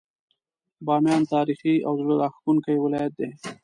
باميان تاريخي او زړه راښکونکی ولايت دی.